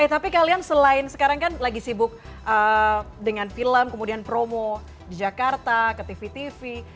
tapi kalian selain sekarang kan lagi sibuk dengan film kemudian promo di jakarta ke tv tv